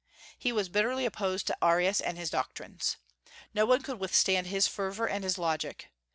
He was bitterly opposed to Arius and his doctrines. No one could withstand his fervor and his logic.